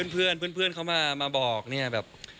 เพื่อนเขามาบอกเนี่ยแบบ